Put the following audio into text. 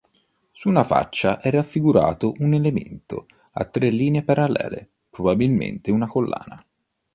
Su una faccia è raffigurato un elemento a tre linee parallele, probabilmente una collana.